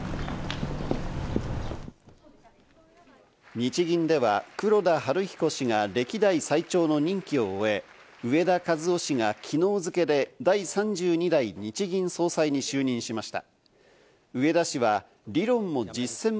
日銀では黒田東彦氏が歴代最長の任期を終え、植田和男氏が昨日付けで第３２代日銀総裁に就任しました。